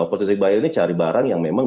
opportunistic buyer ini cari barang yang memang